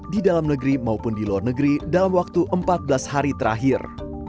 di dalam negeri maupun di luar negeri dalam waktu empat belas hari terakhir